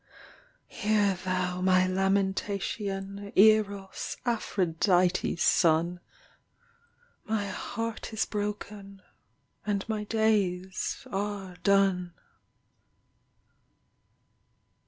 Hear thou my lamentation, Eros, Aphrodite s son! My heart is broken and my days are done.